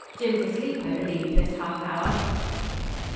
Jim's asleep, I believe, this half hour.'